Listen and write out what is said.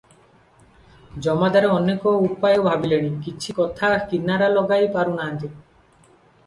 ଜମାଦାରେ ଅନେକ ଉପାୟ ଭାବିଲେଣି, କିଛି କଥା କିନାରା ଲଗାଇ ପାରୁ ନାହାନ୍ତି ।